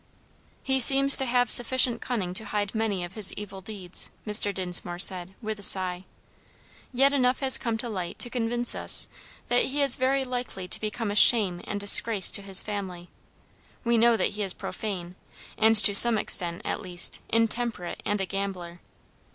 "He seems to have sufficient cunning to hide many of his evil deeds," Mr. Dinsmore said, with a sigh; "yet enough has come to light to convince us that he is very likely to become a shame and disgrace to his family. We know that he is profane, and to some extent, at least, intemperate and a gambler.